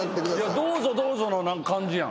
どうぞどうぞの感じやん。